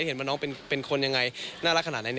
เห็นว่าน้องเป็นคนยังไงน่ารักขนาดไหน